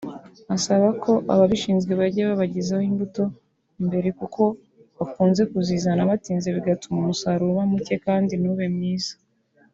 Asaba ko ababishinzwe bajya babagezaho imbuto mbere kuko bakunze kuzizana batinze bigatuma umusaruro uba muke kandi ntube mwiza